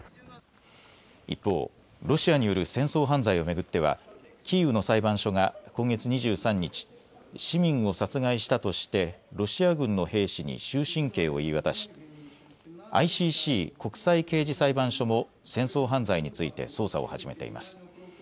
一方、ロシアによる戦争犯罪を巡ってはキーウの裁判所が今月２３日、市民を殺害したとしてロシア軍の兵士に終身刑を言い渡しＩＣＣ・国際刑事裁判所も戦争犯罪について捜査を始めています。